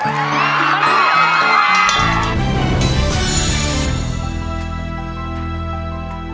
ครับผมอยากได้เงินสบายนะครับ